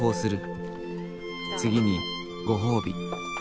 次にご褒美。